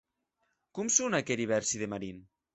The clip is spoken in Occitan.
Com son aqueri vèrsi de Marin?